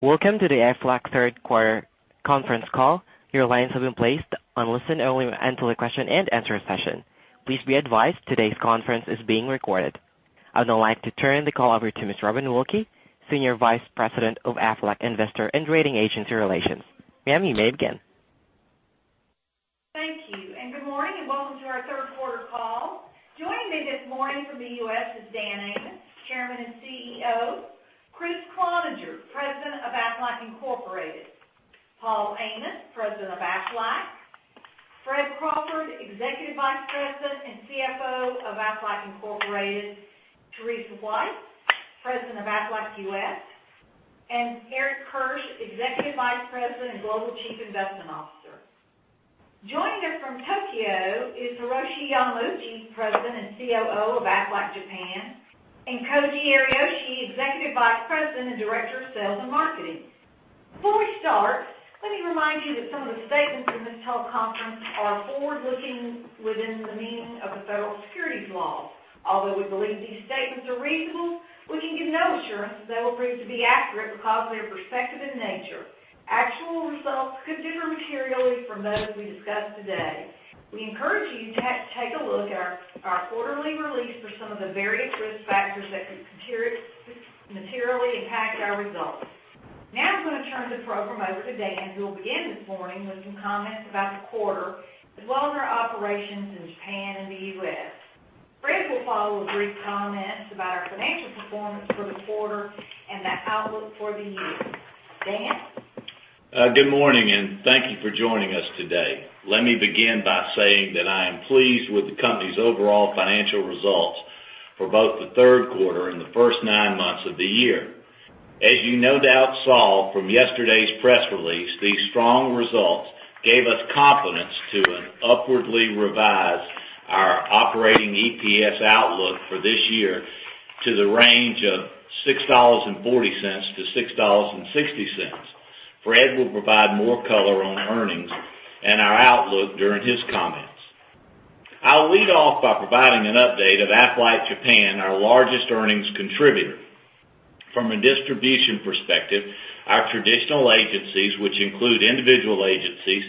Welcome to the Aflac third quarter conference call. Your lines have been placed on listen only until the question and answer session. Please be advised today's conference is being recorded. I'd now like to turn the call over to Ms. Robin Wilkey, Senior Vice President of Aflac Investor and Rating Agency Relations. Ma'am, you may begin. Thank you, and good morning, and welcome to our third quarter call. Joining me this morning from the U.S. is Dan Amos, Chairman and CEO, Kriss Cloninger, President of Aflac Incorporated, Paul Amos, President of Aflac, Fred Crawford, Executive Vice President and CFO of Aflac Incorporated, Teresa White, President of Aflac U.S., and Eric Kirsch, Executive Vice President and Global Chief Investment Officer. Joining us from Tokyo is Hiroshi Yamauchi, President and COO of Aflac Japan, and Koji Ariyoshi, Executive Vice President and Director of Sales and Marketing. Before we start, let me remind you that some of the statements in this teleconference are forward-looking within the meaning of the federal securities laws. Although we believe these statements are reasonable, we can give no assurance that they will prove to be accurate because they are prospective in nature. Actual results could differ materially from those we discuss today. We encourage you to take a look at our quarterly release for some of the various risk factors that could materially impact our results. I'm going to turn the program over to Dan, who will begin this morning with some comments about the quarter, as well as our operations in Japan and the U.S. Fred will follow with brief comments about our financial performance for the quarter and the outlook for the year. Dan? Good morning, and thank you for joining us today. Let me begin by saying that I am pleased with the company's overall financial results for both the third quarter and the first nine months of the year. As you no doubt saw from yesterday's press release, these strong results gave us confidence to upwardly revise our operating EPS outlook for this year to the range of $6.40-$6.60. Fred will provide more color on earnings and our outlook during his comments. I'll lead off by providing an update of Aflac Japan, our largest earnings contributor. From a distribution perspective, our traditional agencies, which include individual agencies,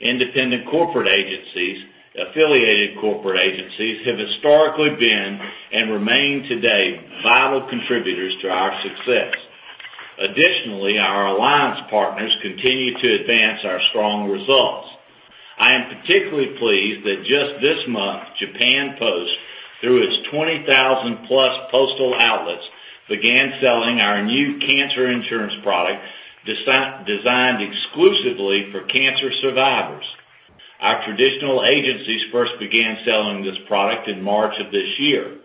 independent corporate agencies, affiliated corporate agencies, have historically been and remain today vital contributors to our success. Additionally, our alliance partners continue to advance our strong results. I am particularly pleased that just this month, Japan Post, through its 20,000-plus postal outlets, began selling our new cancer insurance product designed exclusively for cancer survivors. Our traditional agencies first began selling this product in March of this year.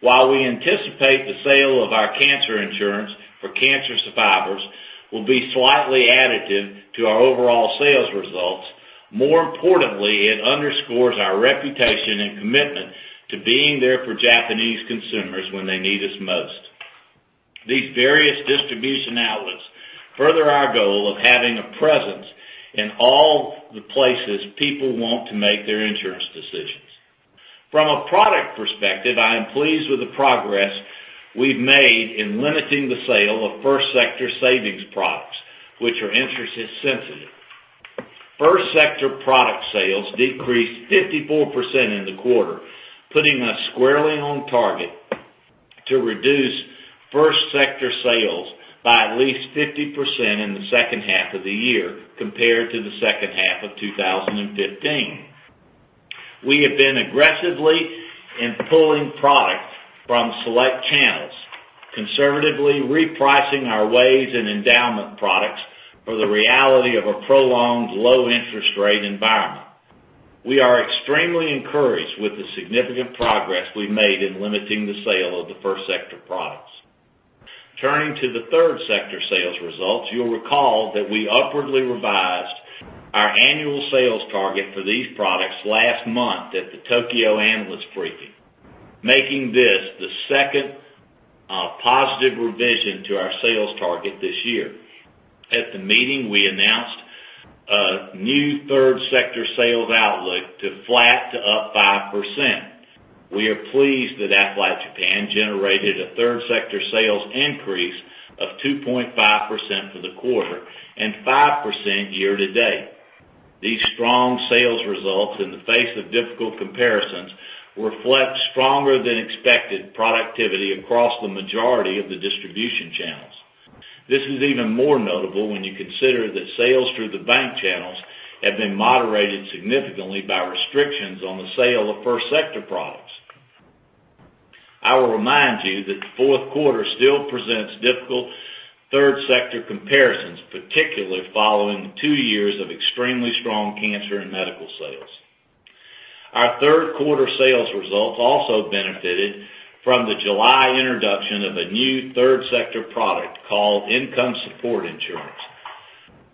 While we anticipate the sale of our cancer insurance for cancer survivors will be slightly additive to our overall sales results, more importantly, it underscores our reputation and commitment to being there for Japanese consumers when they need us most. These various distribution outlets further our goal of having a presence in all the places people want to make their insurance decisions. From a product perspective, I am pleased with the progress we've made in limiting the sale of first sector savings products, which are interest sensitive. First sector product sales decreased 54% in the quarter, putting us squarely on target to reduce first sector sales by at least 50% in the second half of the year compared to the second half of 2015. We have been aggressively pulling product from select channels, conservatively repricing our WAYS and endowment products for the reality of a prolonged low interest rate environment. We are extremely encouraged with the significant progress we've made in limiting the sale of the first sector products. Turning to the third sector sales results, you'll recall that we upwardly revised our annual sales target for these products last month at the Tokyo analyst briefing, making this the second positive revision to our sales target this year. At the meeting, we announced a new third sector sales outlook to flat to up 5%. We are pleased that Aflac Japan generated a third sector sales increase of 2.5% for the quarter and 5% year to date. These strong sales results in the face of difficult comparisons reflect stronger than expected productivity across the majority of the distribution channels. This is even more notable when you consider that sales through the bank channels have been moderated significantly by restrictions on the sale of first sector products. I will remind you that the fourth quarter still presents difficult third sector comparisons, particularly following two years of extremely strong cancer and medical sales. Our third quarter sales results also benefited from the July introduction of a new third sector product called Income Support Insurance,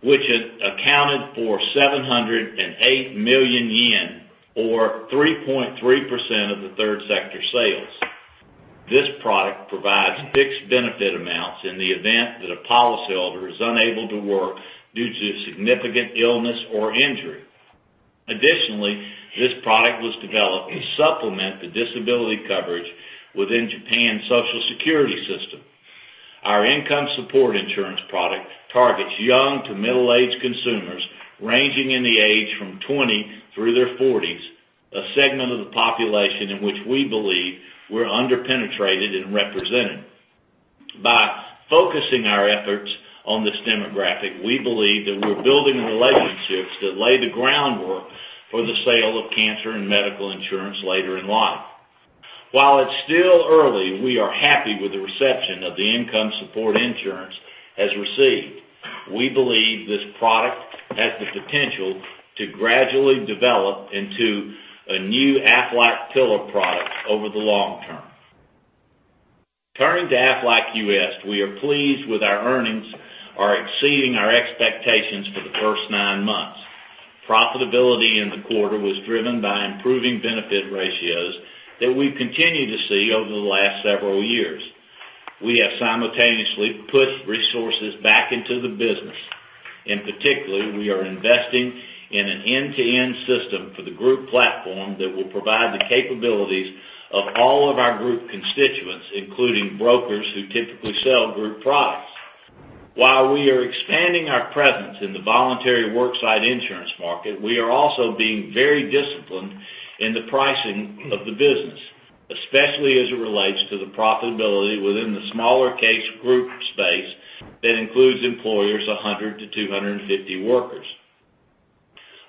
which accounted for 708 million yen or 3.3% of the third sector sales. This product provides fixed benefit amounts in the event that a policyholder is unable to work due to significant illness or injury. Additionally, this product was developed to supplement the disability coverage within Japan's Social Security system. Our Income Support Insurance product targets young to middle-aged consumers ranging in the age from 20 through their 40s, a segment of the population in which we believe we're under-penetrated and represented. By focusing our efforts on this demographic, we believe that we're building the relationships that lay the groundwork for the sale of cancer and medical insurance later in life. While it's still early, we are happy with the reception of the Income Support Insurance has received. We believe this product has the potential to gradually develop into a new Aflac pillar product over the long term. Turning to Aflac U.S., we are pleased with our earnings are exceeding our expectations for the first nine months. Profitability in the quarter was driven by improving benefit ratios that we've continued to see over the last several years. We have simultaneously put resources back into the business, particularly, we are investing in an end-to-end system for the group platform that will provide the capabilities of all of our group constituents, including brokers who typically sell group products. While we are expanding our presence in the voluntary worksite insurance market, we are also being very disciplined in the pricing of the business, especially as it relates to the profitability within the smaller case group space that includes employers 100 to 250 workers.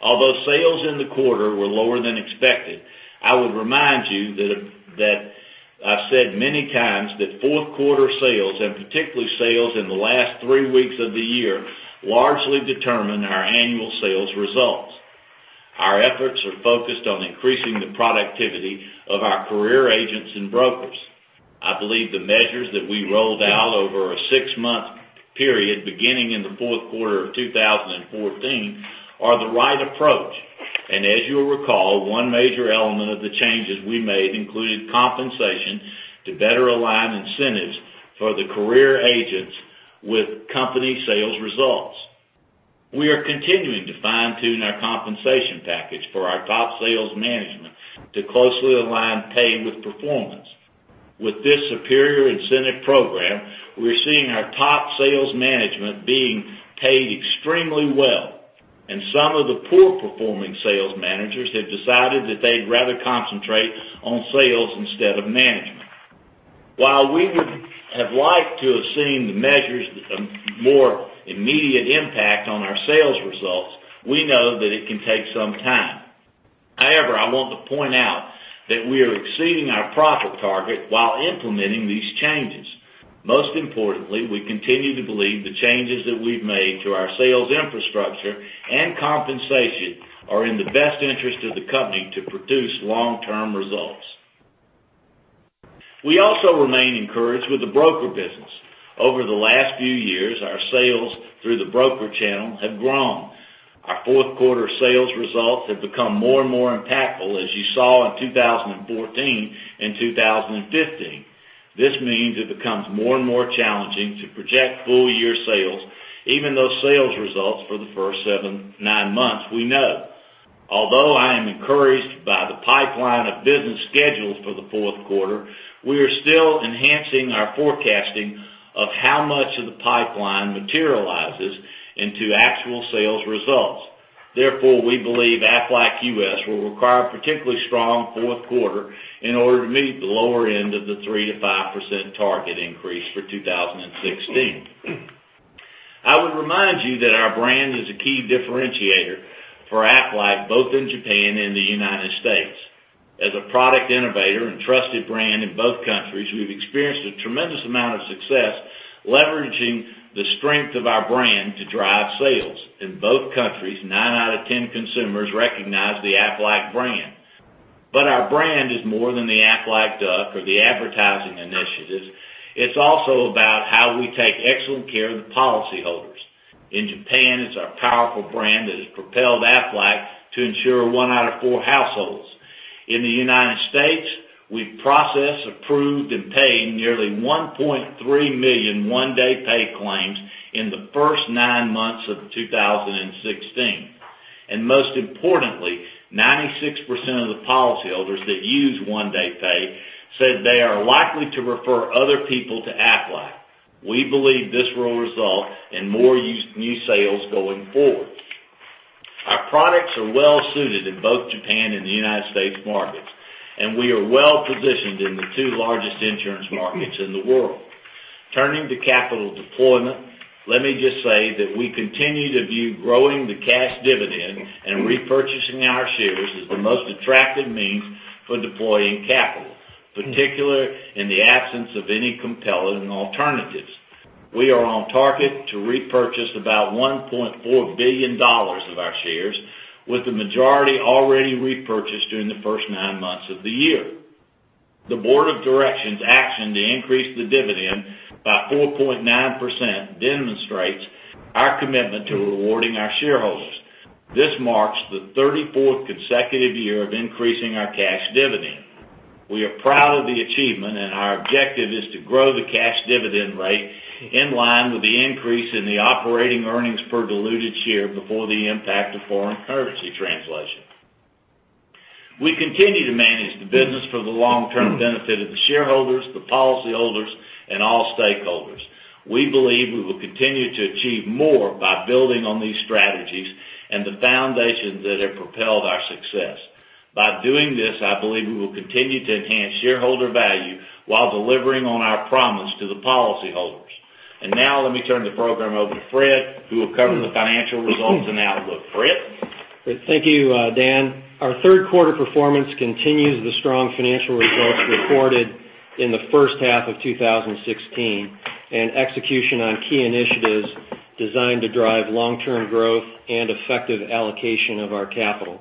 Although sales in the quarter were lower than expected, I would remind you that I've said many times that fourth quarter sales, particularly sales in the last three weeks of the year, largely determine our annual sales results. Our efforts are focused on increasing the productivity of our career agents and brokers. I believe the measures that we rolled out over a six-month period, beginning in the fourth quarter of 2014, are the right approach. As you'll recall, one major element of the changes we made included compensation to better align incentives for the career agents with company sales results. We are continuing to fine-tune our compensation package for our top sales management to closely align pay with performance. With this superior incentive program, we're seeing our top sales management being paid extremely well, some of the poor performing sales managers have decided that they'd rather concentrate on sales instead of management. While we would have liked to have seen the measures more immediate impact on our sales results, we know that it can take some time. I want to point out that we are exceeding our profit target while implementing these changes. Most importantly, we continue to believe the changes that we've made to our sales infrastructure and compensation are in the best interest of the company to produce long-term results. We also remain encouraged with the broker business. Over the last few years, our sales through the broker channel have grown. Our fourth quarter sales results have become more and more impactful, as you saw in 2014 and 2015. This means it becomes more and more challenging to project full-year sales, even those sales results for the first seven, nine months we know. Although I am encouraged by the pipeline of business schedules for the fourth quarter, we are still enhancing our forecasting of how much of the pipeline materializes into actual sales results. We believe Aflac U.S. will require a particularly strong fourth quarter in order to meet the lower end of the 3%-5% target increase for 2016. I would remind you that our brand is a key differentiator for Aflac, both in Japan and the U.S. As a product innovator and trusted brand in both countries, we've experienced a tremendous amount of success leveraging the strength of our brand to drive sales. In both countries, nine out of 10 consumers recognize the Aflac brand. Our brand is more than the Aflac duck or the advertising initiatives. It is also about how we take excellent care of the policyholders. In Japan, it is our powerful brand that has propelled Aflac to insure one out of four households. In the United States, we have processed, approved, and paid nearly 1.3 million One Day Pay claims in the first nine months of 2016. Most importantly, 96% of the policyholders that use One Day Pay said they are likely to refer other people to Aflac. We believe this will result in more new sales going forward. Our products are well suited in both Japan and the United States markets, and we are well-positioned in the two largest insurance markets in the world. Turning to capital deployment, let me just say that we continue to view growing the cash dividend and repurchasing our shares as the most attractive means for deploying capital, particularly in the absence of any compelling alternatives. We are on target to repurchase about $1.4 billion of our shares, with the majority already repurchased during the first nine months of the year. The Board of Directors action to increase the dividend by 4.9% demonstrates our commitment to rewarding our shareholders. This marks the 34th consecutive year of increasing our cash dividend. Our objective is to grow the cash dividend rate in line with the increase in the operating earnings per diluted share before the impact of foreign currency translation. We continue to manage the business for the long-term benefit of the shareholders, the policyholders, and all stakeholders. We believe we will continue to achieve more by building on these strategies and the foundations that have propelled our success. By doing this, I believe we will continue to enhance shareholder value while delivering on our promise to the policyholders. Now let me turn the program over to Fred, who will cover the financial results and outlook. Fred? Thank you, Dan. Our third quarter performance continues the strong financial results reported in the first half of 2016 and execution on key initiatives designed to drive long-term growth and effective allocation of our capital.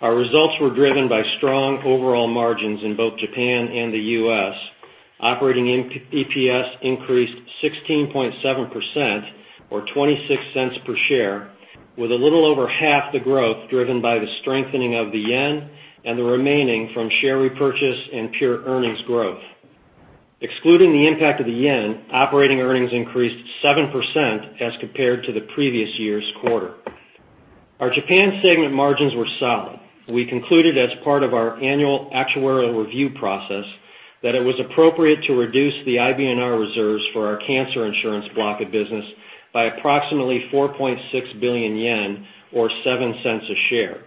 Our results were driven by strong overall margins in both Japan and the U.S. Operating EPS increased 16.7%, or $0.26 per share, with a little over half the growth driven by the strengthening of the JPY and the remaining from share repurchase and pure earnings growth. Excluding the impact of the JPY, operating earnings increased 7% as compared to the previous year's quarter. Our Japan segment margins were solid. We concluded as part of our annual actuarial review process that it was appropriate to reduce the IBNR reserves for our cancer insurance block of business by approximately 4.6 billion yen, or $0.07 a share.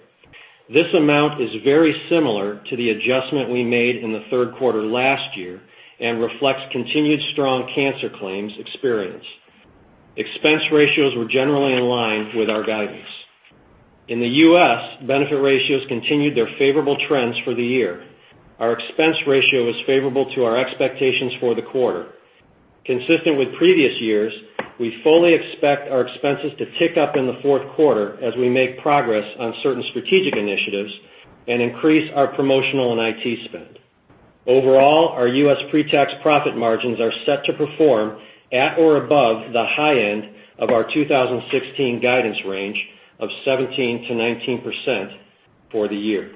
This amount is very similar to the adjustment we made in the third quarter last year and reflects continued strong cancer claims experience. Expense ratios were generally in line with our guidance. In the U.S., benefit ratios continued their favorable trends for the year. Our expense ratio was favorable to our expectations for the quarter. Consistent with previous years, we fully expect our expenses to tick up in the fourth quarter as we make progress on certain strategic initiatives and increase our promotional and IT spend. Overall, our U.S. pre-tax profit margins are set to perform at or above the high end of our 2016 guidance range of 17%-19% for the year.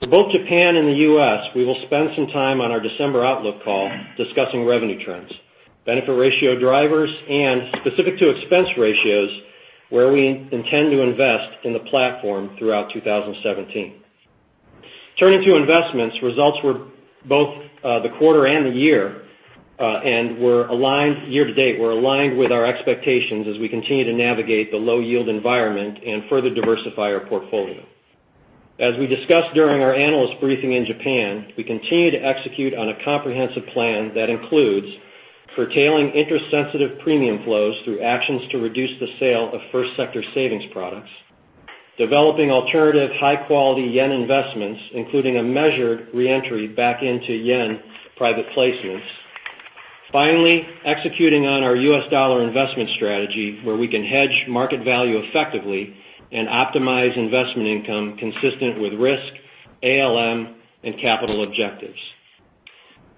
For both Japan and the U.S., we will spend some time on our December outlook call discussing revenue trends, benefit ratio drivers, and specific to expense ratios where we intend to invest in the platform throughout 2017. Turning to investments, results were both the quarter and the year, and year to date were aligned with our expectations as we continue to navigate the low yield environment and further diversify our portfolio. As we discussed during our analyst briefing in Japan, we continue to execute on a comprehensive plan that includes curtailing interest-sensitive premium flows through actions to reduce the sale of first sector savings products, developing alternative high-quality yen investments, including a measured re-entry back into yen private placements. Finally, executing on our U.S. dollar investment strategy, where we can hedge market value effectively and optimize investment income consistent with risk, ALM, and capital objectives.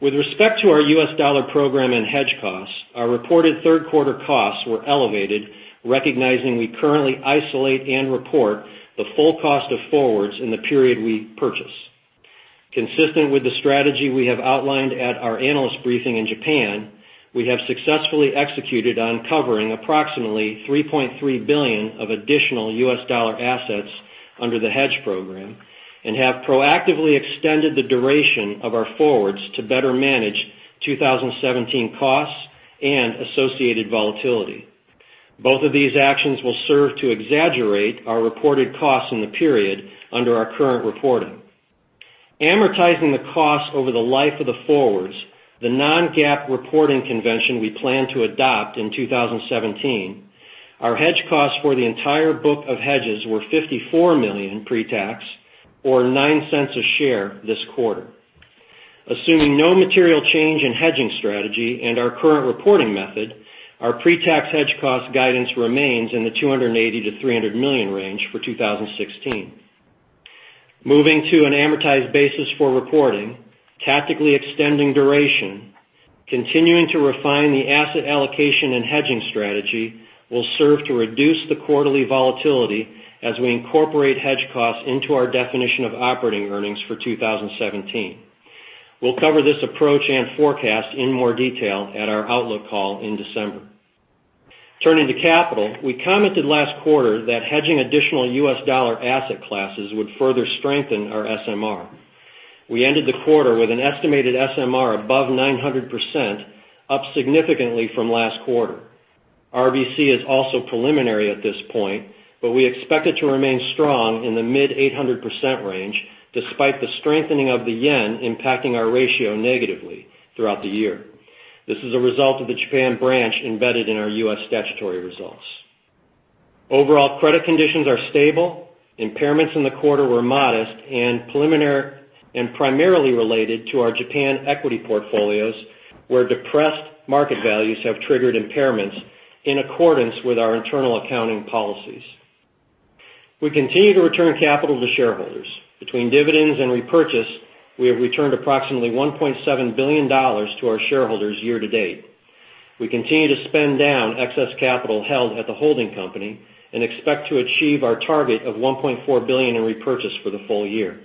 With respect to our U.S. dollar program and hedge costs, our reported third-quarter costs were elevated, recognizing we currently isolate and report the full cost of forwards in the period we purchase. Consistent with the strategy we have outlined at our analyst briefing in Japan, we have successfully executed on covering approximately $3.3 billion of additional U.S. dollar assets under the hedge program and have proactively extended the duration of our forwards to better manage 2017 costs and associated volatility. Both of these actions will serve to exaggerate our reported costs in the period under our current reporting. Amortizing the cost over the life of the forwards, the non-GAAP reporting convention we plan to adopt in 2017, our hedge costs for the entire book of hedges were $54 million pre-tax or $0.09 a share this quarter. Assuming no material change in hedging strategy and our current reporting method, our pre-tax hedge cost guidance remains in the $280 million-$300 million range for 2016. Moving to an amortized basis for reporting, tactically extending duration, continuing to refine the asset allocation and hedging strategy will serve to reduce the quarterly volatility as we incorporate hedge costs into our definition of operating earnings for 2017. We'll cover this approach and forecast in more detail at our outlook call in December. Turning to capital, we commented last quarter that hedging additional U.S. dollar asset classes would further strengthen our SMR. We ended the quarter with an estimated SMR above 900%, up significantly from last quarter. RBC is also preliminary at this point, but we expect it to remain strong in the mid 800% range, despite the strengthening of the yen impacting our ratio negatively throughout the year. This is a result of the Japan branch embedded in our U.S. statutory results. Overall, credit conditions are stable, impairments in the quarter were modest and primarily related to our Japan equity portfolios, where depressed market values have triggered impairments in accordance with our internal accounting policies. We continue to return capital to shareholders. Between dividends and repurchase, we have returned approximately $1.7 billion to our shareholders year to date. We continue to spend down excess capital held at the holding company and expect to achieve our target of $1.4 billion in repurchase for the full year.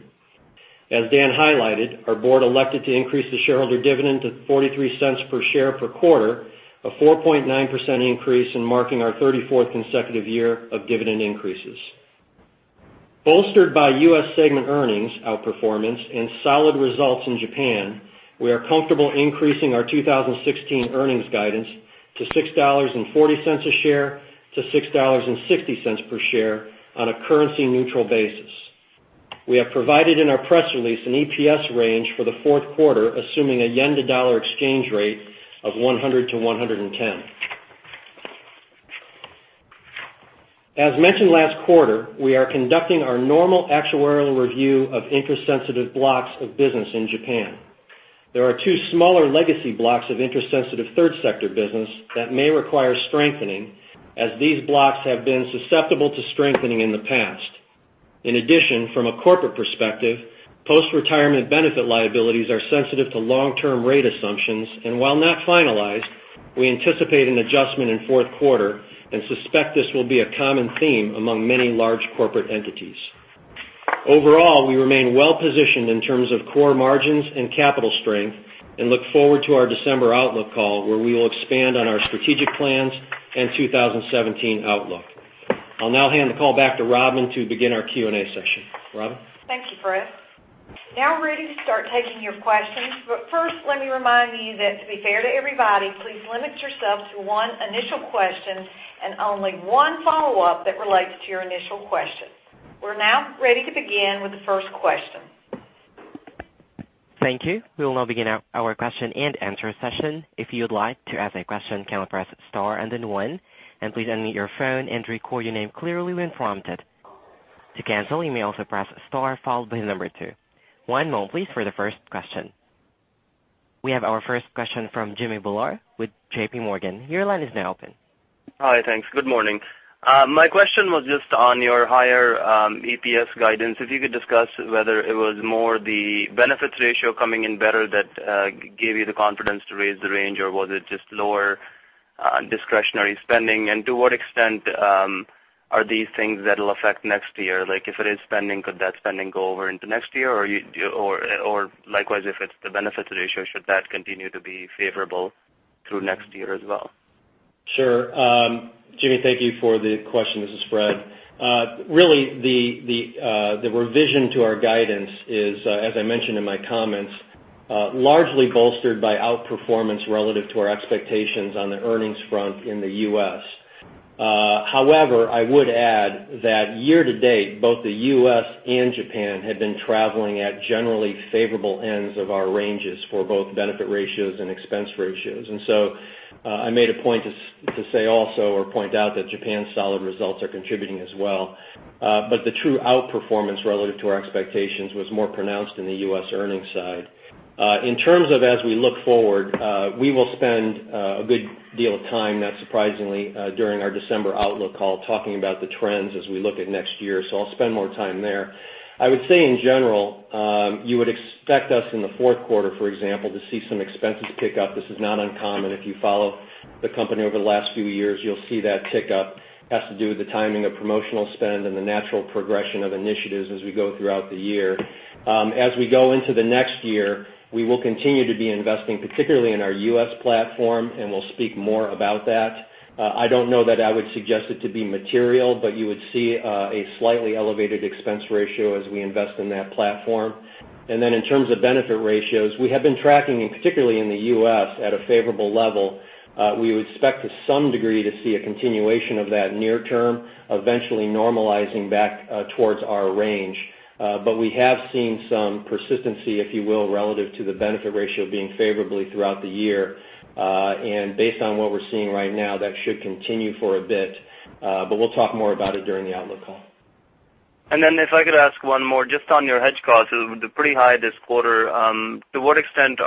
As Dan highlighted, our board elected to increase the shareholder dividend to $0.43 per share per quarter, a 4.9% increase and marking our 34th consecutive year of dividend increases. Bolstered by U.S. segment earnings outperformance and solid results in Japan, we are comfortable increasing our 2016 earnings guidance to $6.40 a share to $6.60 per share on a currency-neutral basis. We have provided in our press release an EPS range for the fourth quarter, assuming a JPY-to-dollar exchange rate of 100 to 110. As mentioned last quarter, we are conducting our normal actuarial review of interest-sensitive blocks of business in Japan. There are two smaller legacy blocks of interest-sensitive third sector business that may require strengthening, as these blocks have been susceptible to strengthening in the past. In addition, from a corporate perspective, post-retirement benefit liabilities are sensitive to long-term rate assumptions, and while not finalized, we anticipate an adjustment in the fourth quarter and suspect this will be a common theme among many large corporate entities. Overall, we remain well-positioned in terms of core margins and capital strength and look forward to our December outlook call, where we will expand on our strategic plans and 2017 outlook. I'll now hand the call back to Robin to begin our Q&A session. Robin? Thank you, Fred. Now we're ready to start taking your questions. First, let me remind you that to be fair to everybody, please limit yourself to one initial question and only one follow-up that relates to your initial question. We're now ready to begin with the first question. Thank you. We will now begin our question and answer session. If you'd like to ask a question, you can press star and then one, and please unmute your phone and record your name clearly when prompted. To cancel, you may also press star followed by the number two. One moment please for the first question. We have our first question from Jimmy Bhullar with JPMorgan. Your line is now open. Hi. Thanks. Good morning. My question was just on your higher EPS guidance. If you could discuss whether it was more the benefits ratio coming in better that gave you the confidence to raise the range, or was it just lower discretionary spending? To what extent are these things that'll affect next year? If it is spending, could that spending go over into next year? Likewise, if it's the benefits ratio, should that continue to be favorable through next year as well? Sure. Jimmy, thank you for the question. This is Fred. Really, the revision to our guidance is, as I mentioned in my comments, largely bolstered by outperformance relative to our expectations on the earnings front in the U.S. However, I would add that year to date, both the U.S. and Japan have been traveling at generally favorable ends of our ranges for both benefit ratios and expense ratios. I made a point to say also or point out that Japan's solid results are contributing as well. The true outperformance relative to our expectations was more pronounced in the U.S. earnings side. In terms of as we look forward, we will spend a good deal of time, not surprisingly, during our December outlook call talking about the trends as we look at next year. I will spend more time there. I would say in general, you would expect us in the fourth quarter, for example, to see some expenses pick up. This is not uncommon. If you follow the company over the last few years, you'll see that tick up has to do with the timing of promotional spend and the natural progression of initiatives as we go throughout the year. As we go into the next year, we will continue to be investing, particularly in our U.S. platform, and we'll speak more about that. I don't know that I would suggest it to be material, but you would see a slightly elevated expense ratio as we invest in that platform. Then in terms of benefit ratios, we have been tracking, and particularly in the U.S., at a favorable level. We would expect to some degree to see a continuation of that near term, eventually normalizing back towards our range. We have seen some persistency, if you will, relative to the benefit ratio being favorable throughout the year. Based on what we're seeing right now, that should continue for a bit. We'll talk more about it during the outlook call. If I could ask one more just on your hedge costs. They were pretty high this quarter. To what extent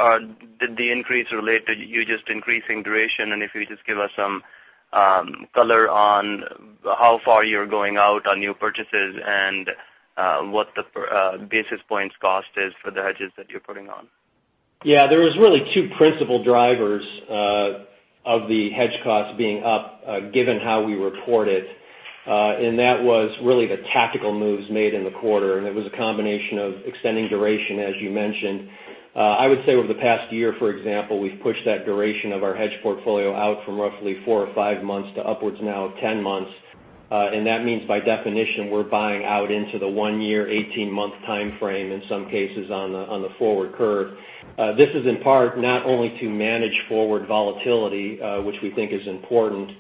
did the increase relate to you just increasing duration? If you could just give us some color on how far you're going out on new purchases and what the basis points cost is for the hedges that you're putting on. Yeah. There was really two principal drivers of the hedge costs being up, given how we report it. That was really the tactical moves made in the quarter, it was a combination of extending duration, as you mentioned. I would say over the past year, for example, we've pushed that duration of our hedge portfolio out from roughly four or five months to upwards now 10 months. That means, by definition, we're buying out into the one year, 18-month timeframe, in some cases on the forward curve. This is in part not only to manage forward volatility, which we think is important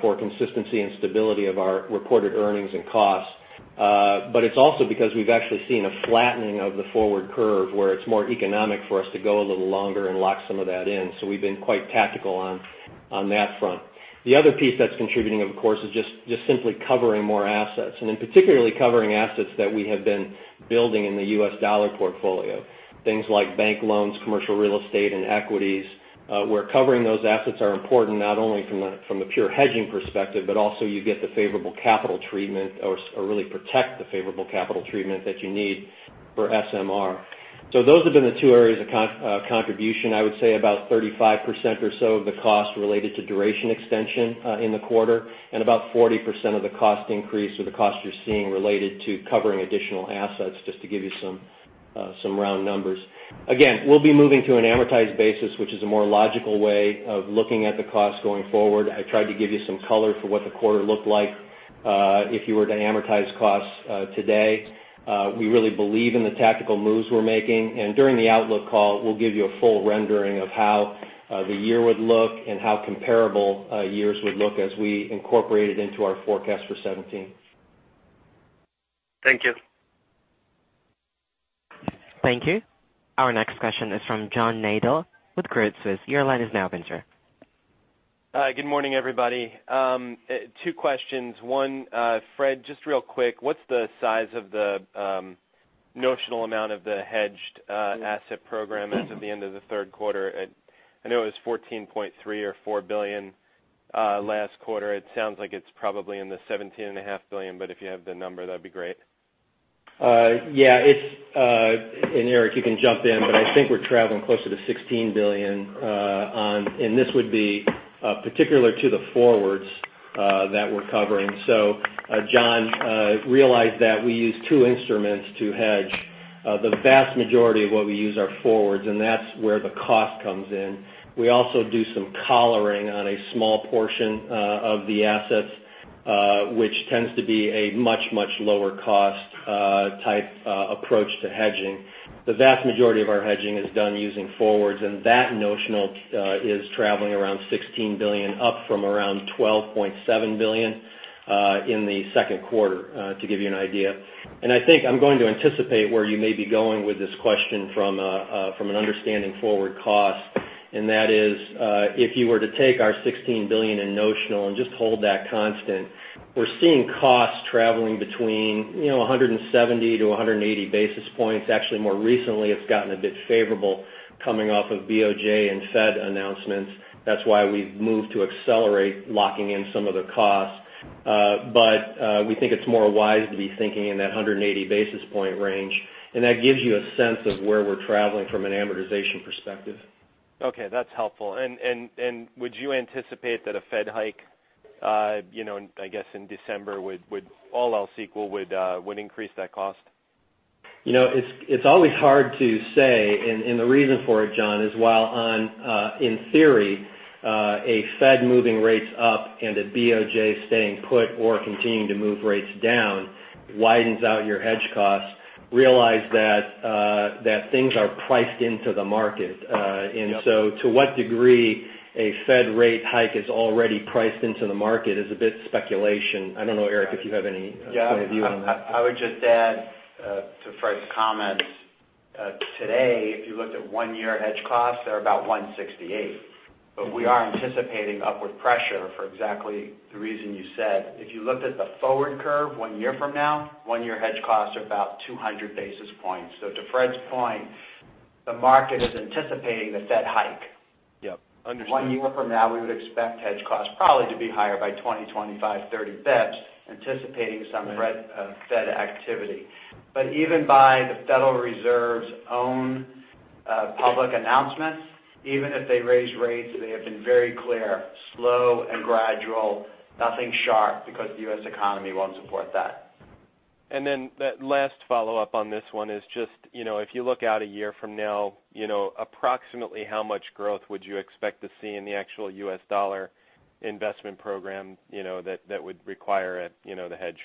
for consistency and stability of our reported earnings and costs, it's also because we've actually seen a flattening of the forward curve where it's more economic for us to go a little longer and lock some of that in. We've been quite tactical on that front. The other piece that's contributing, of course, is just simply covering more assets, particularly covering assets that we have been building in the U.S. dollar portfolio. Things like bank loans, commercial real estate, and equities, where covering those assets are important not only from the pure hedging perspective, but also you get the favorable capital treatment or really protect the favorable capital treatment that you need for SMR. Those have been the two areas of contribution. I would say about 35% or so of the cost related to duration extension in the quarter, and about 40% of the cost increase or the cost you're seeing related to covering additional assets, just to give you some round numbers. Again, we'll be moving to an amortized basis, which is a more logical way of looking at the cost going forward. I tried to give you some color for what the quarter looked like if you were to amortize costs today. We really believe in the tactical moves we're making, and during the outlook call, we'll give you a full rendering of how the year would look and how comparable years would look as we incorporate it into our forecast for 2017. Thank you. Thank you. Our next question is from John Nadel with Credit Suisse. Your line is now open, sir. Hi. Good morning, everybody. Two questions. One, Fred, just real quick, what's the size of the notional amount of the hedged asset program as of the end of the third quarter? I know it was $14.3 billion or $14.4 billion last quarter. It sounds like it's probably in the $17.5 billion, but if you have the number, that'd be great. Yeah. Eric, you can jump in, but I think we're traveling closer to $16 billion, and this would be particular to the forwards that we're covering. John, realize that we use two instruments to hedge. The vast majority of what we use are forwards, and that's where the cost comes in. We also do some collaring on a small portion of the assets, which tends to be a much, much lower cost type approach to hedging. The vast majority of our hedging is done using forwards, and that notional is traveling around $16 billion, up from around $12.7 billion in the second quarter, to give you an idea. I think I'm going to anticipate where you may be going with this question from an understanding forward cost. That is, if you were to take our $16 billion in notional and just hold that constant, we're seeing costs traveling between 170 to 180 basis points. Actually, more recently, it's gotten a bit favorable coming off of BOJ and Fed announcements. That's why we've moved to accelerate locking in some of the costs. We think it's more wise to be thinking in that 180 basis point range. That gives you a sense of where we're traveling from an amortization perspective. Okay. That's helpful. Would you anticipate that a Fed hike in December, all else equal, would increase that cost? It's always hard to say, the reason for it, John, is while in theory, a Fed moving rates up and a BOJ staying put or continuing to move rates down widens out your hedge costs. Realize that things are priced into the market. Yep. To what degree a Fed rate hike is already priced into the market is a bit speculation. I don't know, Eric, if you have any point of view on that. Yeah. I would just add to Fred's comments. Today, if you looked at one year hedge costs, they're about 168. We are anticipating upward pressure for exactly the reason you said. If you looked at the forward curve one year from now, one year hedge costs are about 200 basis points. To Fred's point, the market is anticipating a Fed hike. Yep. Understood. One year from now, we would expect hedge costs probably to be higher by 20, 25, 30 basis points, anticipating some Fed activity. Even by the Federal Reserve's own public announcements, even if they raise rates, they have been very clear, slow and gradual, nothing sharp because the U.S. economy won't support that. The last follow-up on this one is just, if you look out one year from now, approximately how much growth would you expect to see in the actual U.S. dollar investment program that would require the hedge?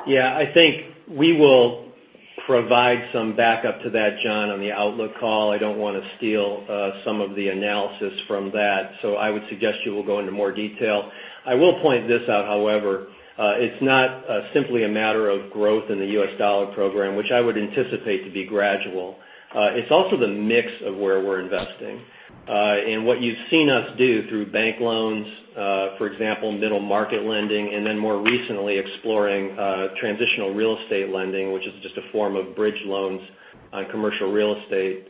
I think we will provide some backup to that, John, on the outlook call. I don't want to steal some of the analysis from that. I would suggest you will go into more detail. I will point this out, however. It's not simply a matter of growth in the U.S. dollar program, which I would anticipate to be gradual. It's also the mix of where we're investing. What you've seen us do through bank loans, for example, middle market lending, and then more recently exploring transitional real estate lending, which is just a form of bridge loans on commercial real estate.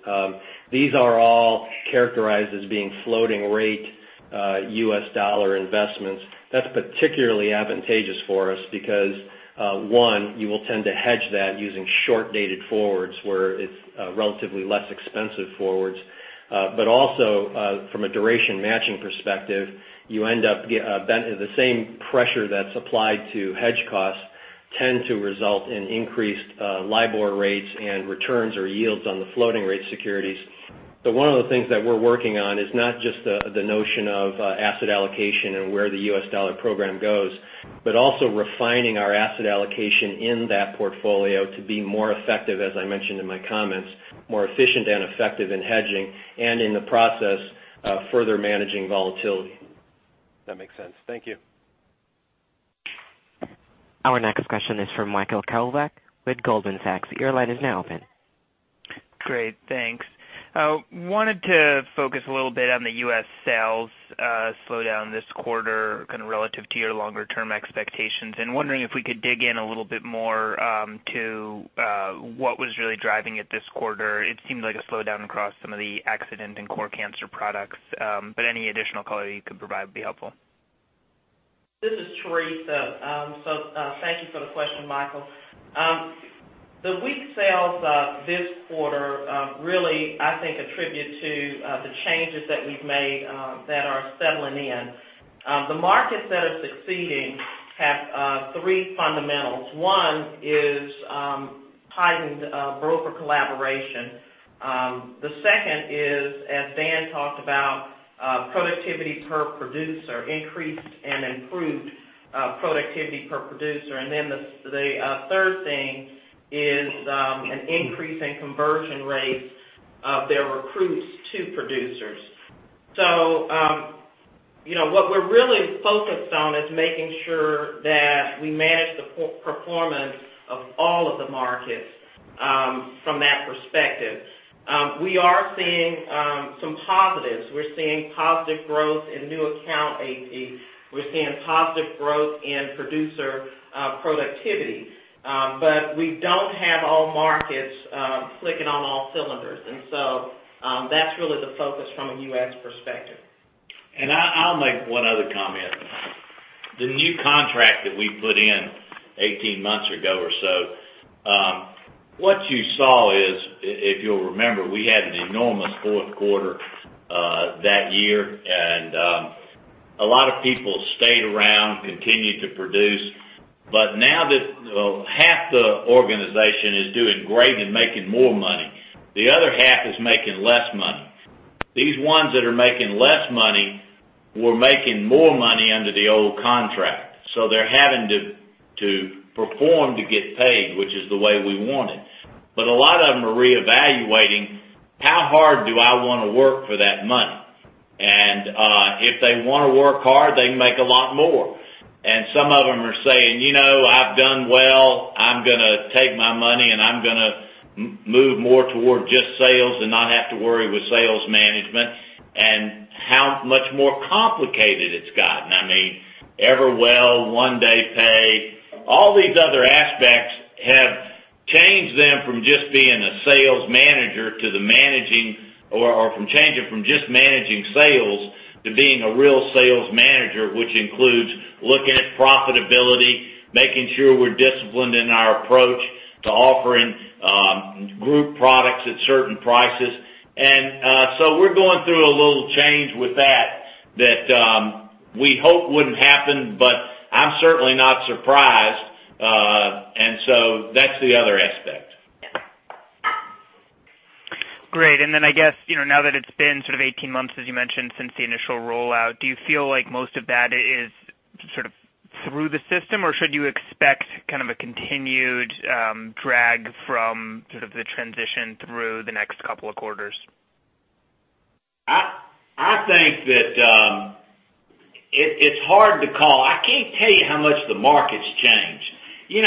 These are all characterized as being floating rate U.S. dollar investments. That's particularly advantageous for us because one, you will tend to hedge that using short-dated forwards where it's relatively less expensive forwards. Also from a duration matching perspective, the same pressure that's applied to hedge costs tend to result in increased LIBOR rates and returns or yields on the floating rate securities. One of the things that we're working on is not just the notion of asset allocation and where the U.S. dollar program goes, but also refining our asset allocation in that portfolio to be more effective, as I mentioned in my comments. More efficient and effective in hedging, and in the process further managing volatility. That makes sense. Thank you. Our next question is from Michael Kovac with Goldman Sachs. Your line is now open. Great. Thanks. Wanted to focus a little bit on the U.S. sales slowdown this quarter, kind of relative to your longer term expectations, and wondering if we could dig in a little bit more to what was really driving it this quarter. It seemed like a slowdown across some of the accident and core cancer products. Any additional color you could provide would be helpful. This is Teresa. Thank you for the question, Michael. The weak sales this quarter really, I think, attribute to the changes that we've made that are settling in. The markets that are succeeding have three fundamentals. One is heightened broker collaboration. The second is, as Dan talked about, productivity per producer, increased and improved productivity per producer. The third thing is an increase in conversion rates of their recruits to producers. What we're really focused on is making sure that we manage the performance of all of the markets from that perspective. We are seeing some positives. We're seeing positive growth in new account AC. We're seeing positive growth in producer productivity. We don't have all markets clicking on all cylinders. That's really the focus from a U.S. perspective. I'll make one other comment. The new contract that we put in 18 months ago or so, what you saw is, if you'll remember, we had an enormous fourth quarter that year, and a lot of people stayed around, continued to produce. Now that half the organization is doing great and making more money, the other half is making less money. These ones that are making less money were making more money under the old contract. They're having to perform to get paid, which is the way we want it. A lot of them are reevaluating, "How hard do I want to work for that money?" If they want to work hard, they can make a lot more. Some of them are saying, "You know, I've done well. I'm gonna take my money, and I'm gonna move more toward just sales and not have to worry with sales management," and how much more complicated it's gotten. Everwell, One Day Pay, all these other aspects have changed them from just being a sales manager to changing from just managing sales to being a real sales manager, which includes looking at profitability, making sure we're disciplined in our approach to offering group products at certain prices. We're going through a little change with that we hope wouldn't happen, but I'm certainly not surprised. That's the other aspect. Great. I guess, now that it's been sort of 18 months, as you mentioned, since the initial rollout, do you feel like most of that is sort of through the system, or should you expect kind of a continued drag from sort of the transition through the next couple of quarters? I think that it's hard to call. I can't tell you how much the market's changed.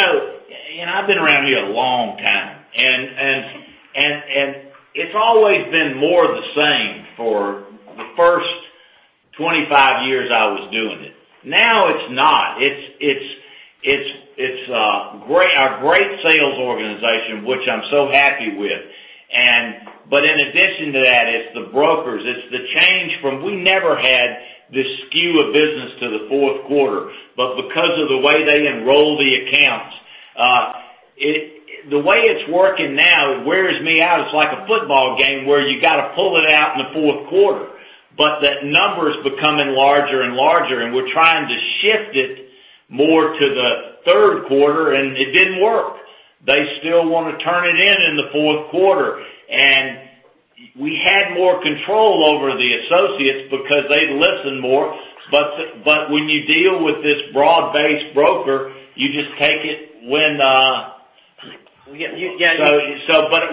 I've been around here a long time, and it's always been more of the same for the first 25 years I was doing it. Now it's not. It's a great sales organization, which I'm so happy with, but in addition to that, it's the brokers. It's the change from, we never had this skew of business to the fourth quarter. Because of the way they enroll the accounts, the way it's working now wears me out. It's like a football game where you got to pull it out in the fourth quarter, but that number's becoming larger and larger, and we're trying to shift it more to the third quarter, and it didn't work. They still want to turn it in in the fourth quarter. We had more control over the associates because they'd listen more. When you deal with this broad-based broker, you just take it when Yeah.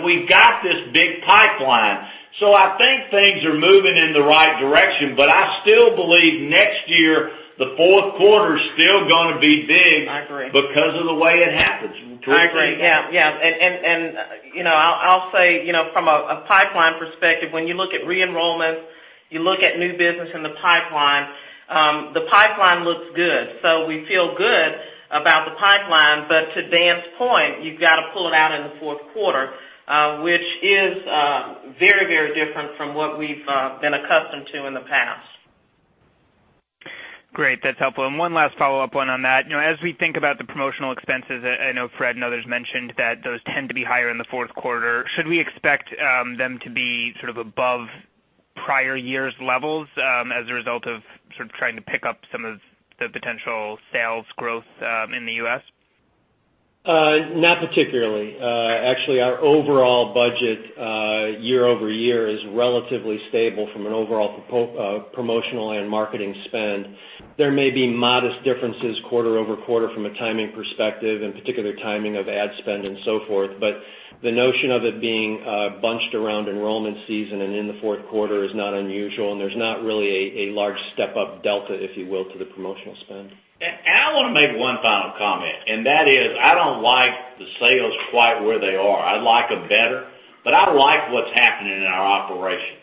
We've got this big pipeline, so I think things are moving in the right direction, but I still believe next year, the fourth quarter's still going to be big- I agree. -because of the way it happens. I agree. Yeah. I'll say, from a pipeline perspective, when you look at re-enrollment, you look at new business in the pipeline, the pipeline looks good. We feel good about the pipeline, but to Dan's point, you've got to pull it out in the fourth quarter, which is very different from what we've been accustomed to in the past. Great. That's helpful. One last follow-up one on that. As we think about the promotional expenses, I know Fred and others mentioned that those tend to be higher in the fourth quarter. Should we expect them to be sort of above prior year's levels as a result of sort of trying to pick up some of the potential sales growth in the U.S.? Not particularly. Actually, our overall budget year-over-year is relatively stable from an overall promotional and marketing spend. There may be modest differences quarter-over-quarter from a timing perspective, in particular timing of ad spend and so forth. The notion of it being bunched around enrollment season and in the fourth quarter is not unusual, and there's not really a large step-up delta, if you will, to the promotional spend. I want to make one final comment, and that is, I don't like the sales quite where they are. I'd like them better. I like what's happening in our operations.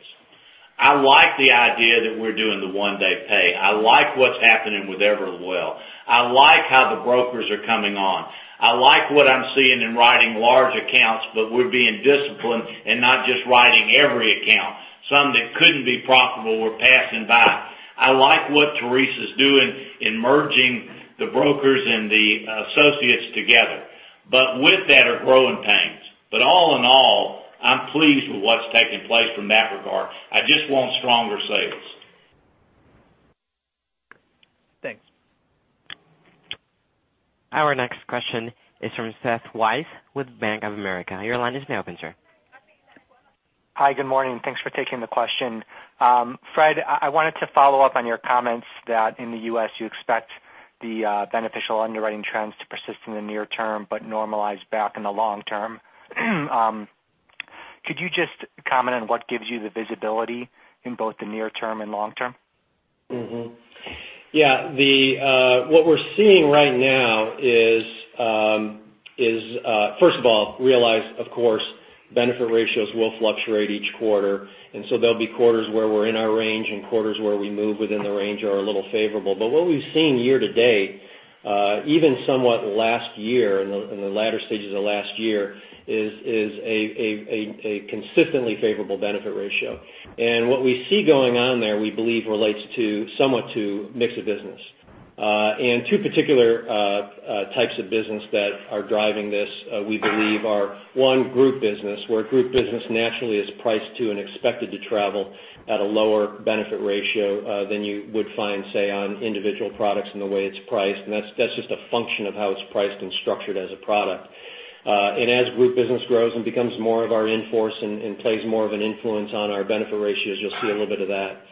I like the idea that we're doing the One Day Pay. I like what's happening with Everwell. I like how the brokers are coming on. I like what I'm seeing in writing large accounts, but we're being disciplined and not just writing every account. Some that couldn't be profitable were passing by. I like what Teresa's doing in merging the brokers and the associates together. With that are growing pains. All in all, I'm pleased with what's taking place from that regard. I just want stronger sales. Thanks. Our next question is from Seth Weiss with Bank of America. Your line is now open, sir. Hi, good morning. Thanks for taking the question. Fred, I wanted to follow up on your comments that in the U.S., you expect the beneficial underwriting trends to persist in the near term, but normalize back in the long term. Could you just comment on what gives you the visibility in both the near term and long term? Yeah. What we're seeing right now is, first of all, realize, of course, benefit ratios will fluctuate each quarter, so there'll be quarters where we're in our range and quarters where we move within the range or are a little favorable. What we've seen year-to-date, even somewhat last year, in the latter stages of last year, is a consistently favorable benefit ratio. What we see going on there, we believe, relates somewhat to mix of business. 2 particular types of business that are driving this, we believe are, one, group business, where group business naturally is priced to and expected to travel at a lower benefit ratio than you would find, say, on individual products in the way it's priced. That's just a function of how it's priced and structured as a product. As group business grows and becomes more of our in-force and plays more of an influence on our benefit ratios, you'll see a little bit of that.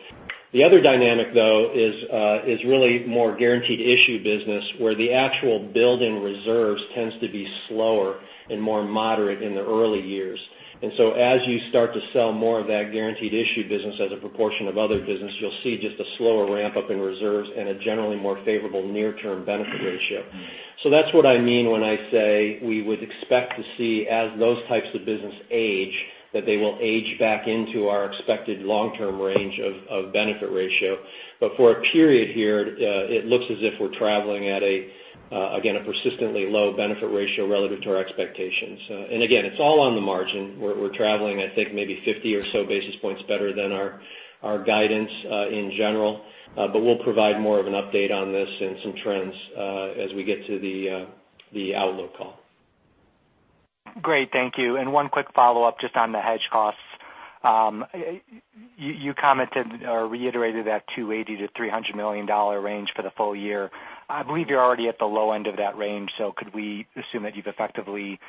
The other dynamic, though, is really more guaranteed issue business, where the actual build in reserves tends to be slower and more moderate in the early years. As you start to sell more of that guaranteed issue business as a proportion of other business, you'll see just a slower ramp-up in reserves and a generally more favorable near-term benefit ratio. That's what I mean when I say we would expect to see as those types of business age, that they will age back into our expected long-term range of benefit ratio. For a period here, it looks as if we're traveling at, again, a persistently low benefit ratio relative to our expectations. Again, it's all on the margin. We're traveling, I think, maybe 50 or so basis points better than our guidance, in general. We'll provide more of an update on this and some trends as we get to the outlook call. Great, thank you. One quick follow-up just on the hedge costs. You commented or reiterated that $280 million-$300 million range for the full year. I believe you're already at the low end of that range. Could we assume that you've effectively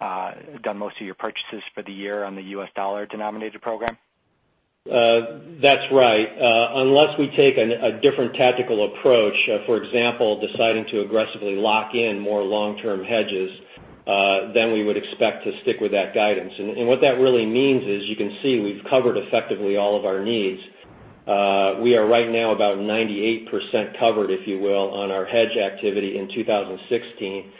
done most of your purchases for the year on the U.S. dollar-denominated program? That's right. Unless we take a different tactical approach, for example, deciding to aggressively lock in more long-term hedges, then we would expect to stick with that guidance. What that really means is, you can see we've covered effectively all of our needs. We are right now about 98% covered, if you will, on our hedge activity in 2016.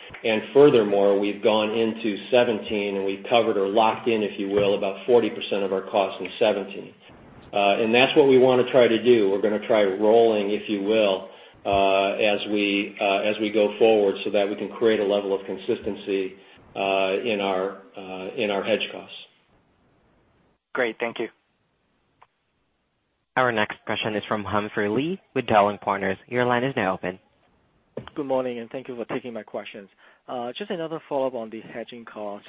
Furthermore, we've gone into 2017, and we've covered or locked in, if you will, about 40% of our costs in 2017. That's what we want to try to do. We're going to try rolling, if you will, as we go forward so that we can create a level of consistency in our hedge costs. Great. Thank you. Our next question is from Humphrey Lee with Dowling & Partners. Your line is now open. Good morning, and thank you for taking my questions. Just another follow-up on the hedging cost.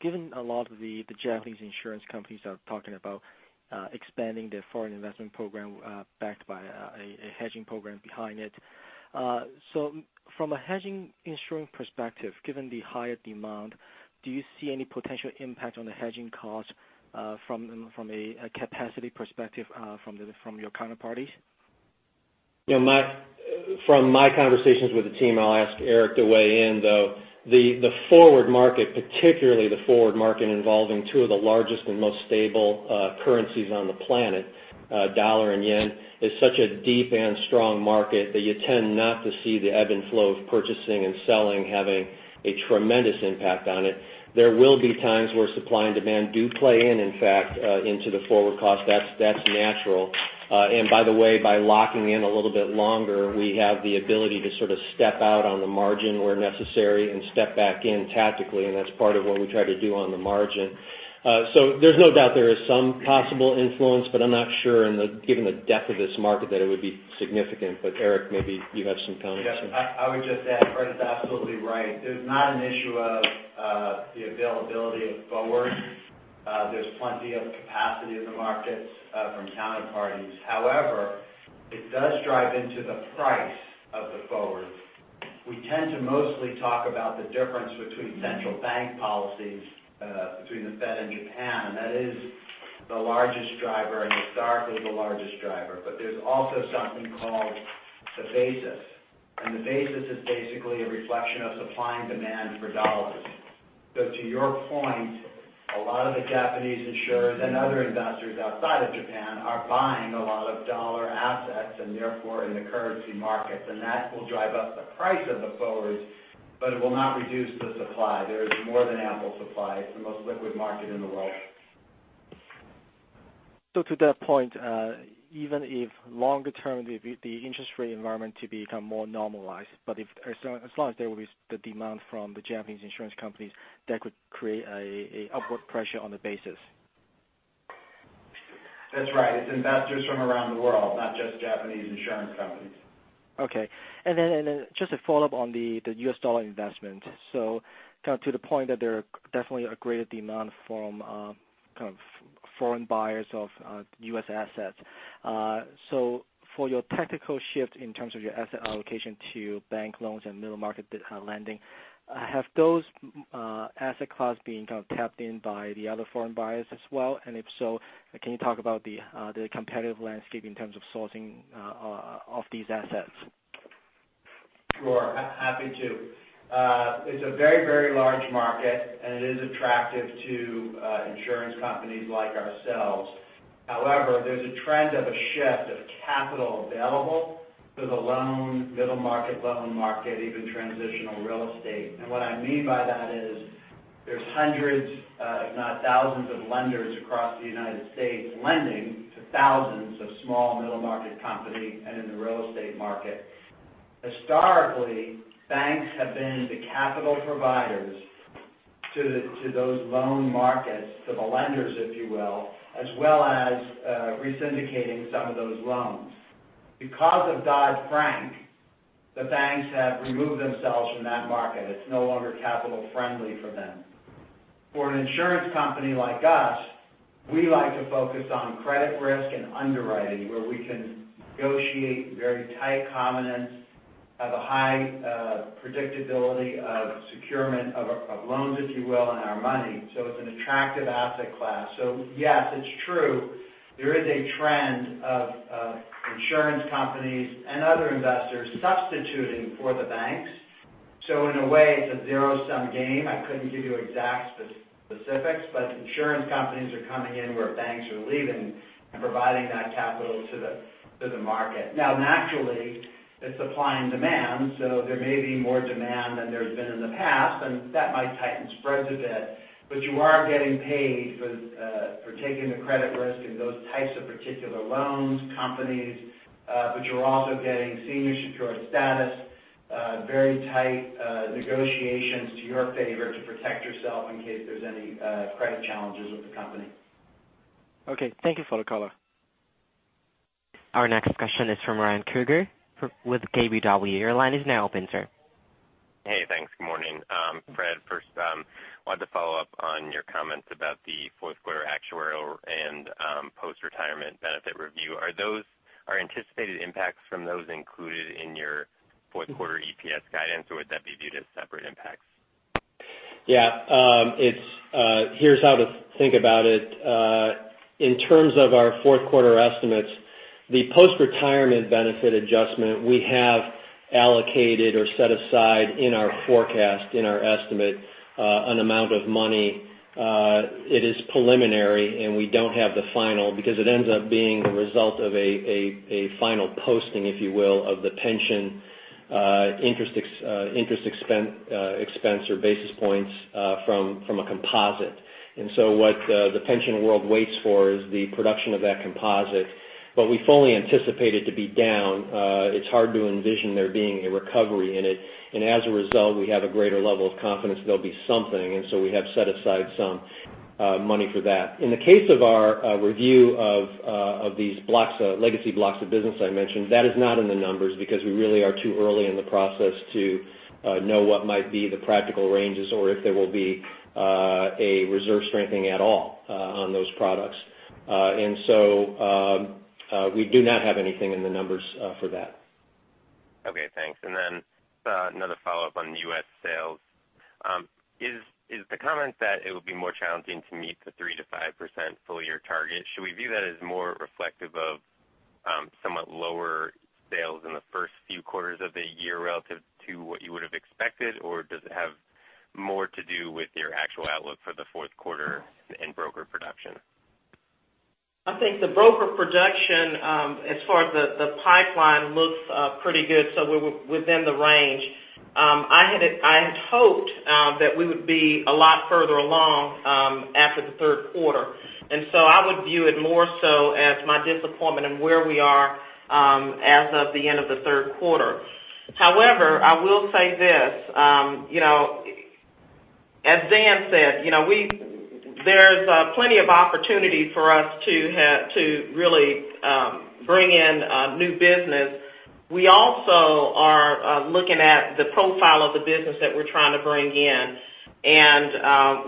Given a lot of the Japanese insurance companies are talking about expanding their foreign investment program, backed by a hedging program behind it. From a hedging insurance perspective, given the higher demand, do you see any potential impact on the hedging cost from a capacity perspective from your counterparties? From my conversations with the team, I'll ask Eric to weigh in, though. The forward market, particularly the forward market involving two of the largest and most stable currencies on the planet, dollar and yen, is such a deep and strong market that you tend not to see the ebb and flow of purchasing and selling having a tremendous impact on it. There will be times where supply and demand do play in fact, into the forward cost. That's natural. By the way, by locking in a little bit longer, we have the ability to sort of step out on the margin where necessary and step back in tactically, and that's part of what we try to do on the margin. There's no doubt there is some possible influence, but I'm not sure given the depth of this market that it would be significant. Eric, maybe you have some comments. Yes. I would just add, Fred is absolutely right. There is not an issue of the availability of forward. There is plenty of capacity in the markets from counterparties. However, it does drive into the price of the forward. We tend to mostly talk about the difference between central bank policies, between the Fed and Japan, and that is the largest driver and historically the largest driver. There is also something called the basis, and the basis is basically a reflection of supply and demand for dollars. To your point, a lot of the Japanese insurers and other investors outside of Japan are buying a lot of dollar assets and therefore in the currency markets, and that will drive up the price of the forward, but it will not reduce the supply. There is more than ample supply. It is the most liquid market in the world. To that point, even if longer-term, the interest rate environment to become more normalized, as long as there will be the demand from the Japanese insurance companies, that could create an upward pressure on the basis? That's right. It's investors from around the world, not just Japanese insurance companies. Okay. Then just a follow-up on the U.S. dollar investment. To the point that there are definitely a greater demand from foreign buyers of U.S. assets. For your tactical shift in terms of your asset allocation to bank loans and middle market lending, have those asset class been tapped in by the other foreign buyers as well? If so, can you talk about the competitive landscape in terms of sourcing of these assets? Sure. Happy to. It's a very large market, and it is attractive to insurance companies like ourselves. However, there's a trend of a shift of capital available to the loan, middle market, loan market, even transitional real estate. What I mean by that is there's hundreds, if not thousands, of lenders across the United States lending to thousands of small middle market companies and in the real estate market. Historically, banks have been the capital providers to those loan markets, to the lenders, if you will, as well as re-syndicating some of those loans. Because of Dodd-Frank, the banks have removed themselves from that market. It's no longer capital friendly for them. For an insurance company like us, we like to focus on credit risk and underwriting, where we can negotiate very tight covenants, have a high predictability of securement of loans, if you will, on our money. It's an attractive asset class. Yes, it's true, there is a trend of insurance companies and other investors substituting for the banks. In a way, it's a zero-sum game. I couldn't give you exact specifics. Insurance companies are coming in where banks are leaving and providing that capital to the market. Now, naturally, it's supply and demand, so there may be more demand than there's been in the past, and that might tighten spreads a bit. You are getting paid for taking the credit risk in those types of particular loans, companies, but you're also getting senior secured status, very tight negotiations to your favor to protect yourself in case there's any credit challenges with the company. Okay. Thank you for the color. Our next question is from Ryan Krueger with KBW. Your line is now open, sir. Hey, thanks. Good morning. Fred, first, wanted to follow up on your comments about the fourth quarter actuarial and post-retirement benefit review. Are anticipated impacts from those included in your fourth quarter EPS guidance, or would that be viewed as separate impacts? Yeah. Here's how to think about it. In terms of our fourth quarter estimates, the post-retirement benefit adjustment we have allocated or set aside in our forecast, in our estimate, an amount of money. It is preliminary, and we don't have the final because it ends up being the result of a final posting, if you will, of the pension interest expense or basis points from a composite. What the pension world waits for is the production of that composite. We fully anticipate it to be down. It's hard to envision there being a recovery in it, as a result, we have a greater level of confidence there'll be something, we have set aside some money for that. In the case of our review of these legacy blocks of business I mentioned, that is not in the numbers because we really are too early in the process to know what might be the practical ranges or if there will be a reserve strengthening at all on those products. We do not have anything in the numbers for that. Okay, thanks. Just another follow-up on U.S. sales. Is the comment that it would be more challenging to meet the 3%-5% full-year target, should we view that as more reflective of somewhat lower sales in the first few quarters of the year relative to what you would have expected? Does it have more to do with your actual outlook for the fourth quarter in broker production? I think the broker production, as far as the pipeline, looks pretty good, we're within the range. I had hoped that we would be a lot further along after the third quarter, I would view it more so as my disappointment in where we are as of the end of the third quarter. However, I will say this. As Dan said, there's plenty of opportunity for us to really bring in new business. We also are looking at the profile of the business that we're trying to bring in,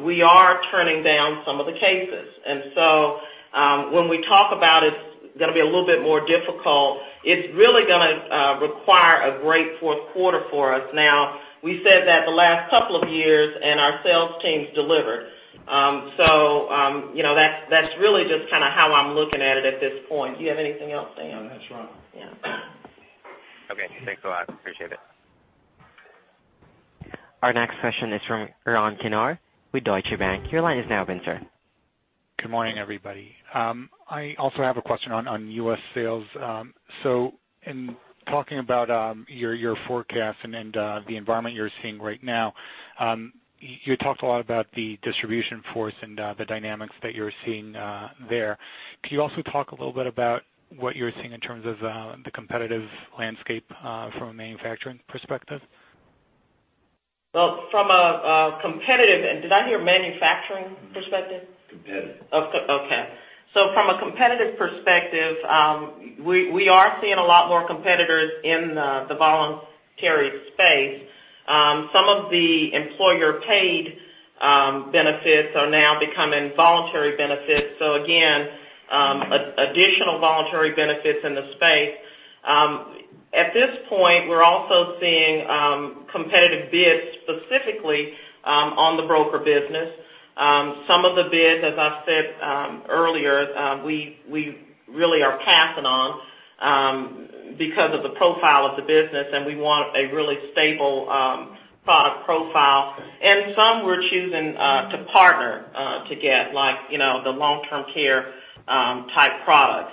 we are turning down some of the cases. When we talk about it's going to be a little bit more difficult, it's really going to require a great fourth quarter for us. We said that the last couple of years, our sales teams delivered. That's really just kind of how I'm looking at it at this point. Do you have anything else, Dan? No, that's right. Yeah. Okay. Thanks a lot. Appreciate it. Our next question is from Yaron Kinar with Deutsche Bank. Your line has now been, sir. Good morning, everybody. I also have a question on U.S. sales. In talking about your forecast and the environment you're seeing right now, you talked a lot about the distribution force and the dynamics that you're seeing there. Can you also talk a little bit about what you're seeing in terms of the competitive landscape from a manufacturing perspective? Well, from a competitive end, did I hear manufacturing perspective? Competitive. Okay. From a competitive perspective, we are seeing a lot more competitors in the voluntary space. Some of the employer-paid benefits are now becoming voluntary benefits. Again, additional voluntary benefits in the space. At this point, we're also seeing competitive bids, specifically on the broker business. Some of the bids, as I said earlier, we really are passing on, because of the profile of the business, and we want a really stable product profile. Some we're choosing to partner to get, like the long-term care type products.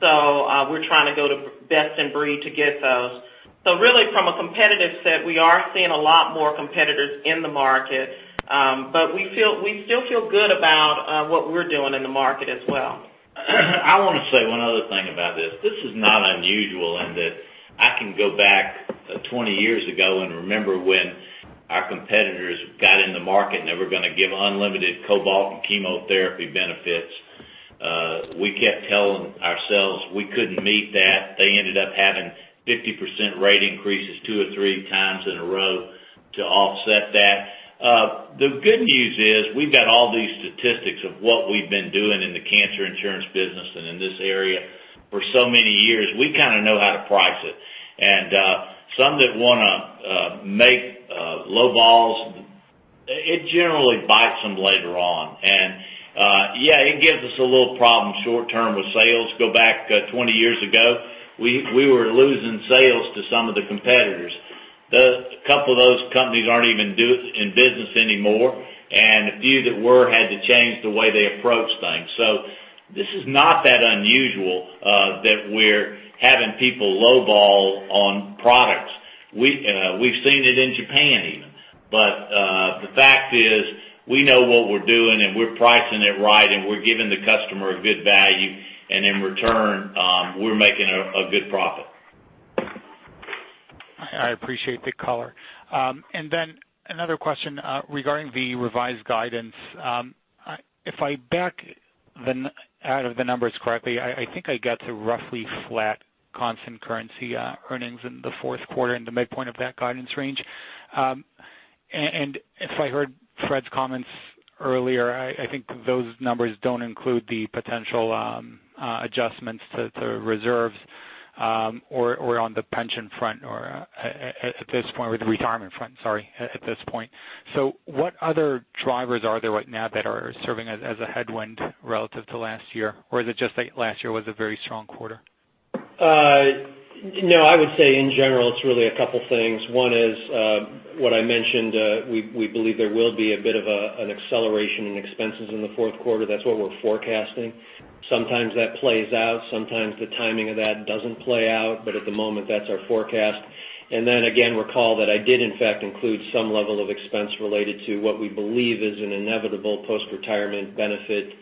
We're trying to go to best in breed to get those. Really from a competitive set, we are seeing a lot more competitors in the market. We still feel good about what we're doing in the market as well. I want to say one other thing about this. This is not unusual in that I can go back 20 years ago and remember when our competitors got in the market and they were going to give unlimited Cobalt therapy and chemotherapy benefits. We kept telling ourselves we couldn't meet that. They ended up having 50% rate increases two or three times in a row to offset that. The good news is we've got all these statistics of what we've been doing in the cancer insurance business and in this area for so many years. We kind of know how to price it. Some that want to make low balls, it generally bites them later on. Yeah, it gives us a little problem short-term with sales. Go back 20 years ago, we were losing sales to some of the competitors. A couple of those companies aren't even in business anymore, and a few that were had to change the way they approach things. This is not that unusual that we're having people lowball on products. We've seen it in Japan even. The fact is, we know what we're doing, and we're pricing it right, and we're giving the customer a good value, and in return, we're making a good profit. I appreciate the color. Another question regarding the revised guidance. If I back out of the numbers correctly, I think I get to roughly flat constant currency earnings in the fourth quarter and the midpoint of that guidance range. If I heard Fred's comments earlier, I think those numbers don't include the potential adjustments to reserves or on the pension front or at this point with the retirement front, sorry, at this point. What other drivers are there right now that are serving as a headwind relative to last year? Or is it just that last year was a very strong quarter? I would say in general, it's really a couple things. One is what I mentioned, we believe there will be a bit of an acceleration in expenses in the fourth quarter. That's what we're forecasting. Sometimes that plays out, sometimes the timing of that doesn't play out, but at the moment, that's our forecast. Again, recall that I did in fact include some level of expense related to what we believe is an inevitable post-retirement benefit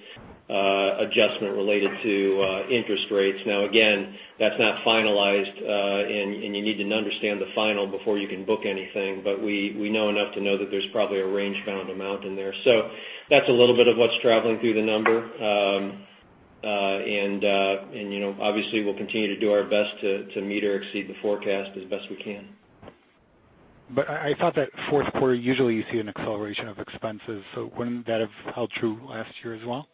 adjustment related to interest rates. Again, that's not finalized, and you need to understand the final before you can book anything. We know enough to know that there's probably a range-bound amount in there. That's a little bit of what's traveling through the number. Obviously we'll continue to do our best to meet or exceed the forecast as best we can. I thought that fourth quarter, usually you see an acceleration of expenses. Wouldn't that have held true last year as well?